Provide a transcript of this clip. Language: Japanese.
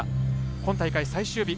今大会、最終日。